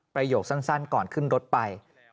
โยคสั้นก่อนขึ้นรถไป